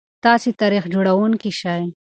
تاسي تاریخ جوړونکي شئ.